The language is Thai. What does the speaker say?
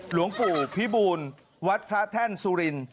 หลวงปู่พิบูลวัดพระแท่นสุริน